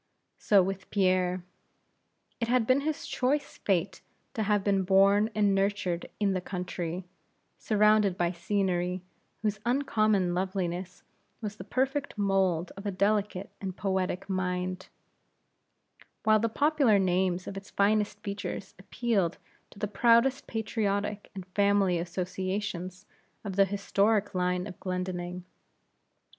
So with Pierre. It had been his choice fate to have been born and nurtured in the country, surrounded by scenery whose uncommon loveliness was the perfect mould of a delicate and poetic mind; while the popular names of its finest features appealed to the proudest patriotic and family associations of the historic line of Glendinning.